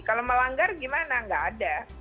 kalau melanggar bagaimana tidak ada